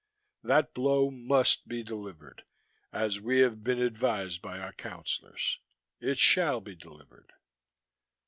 That blow must be delivered, as We have been advised by Our Councillors. It shall be delivered.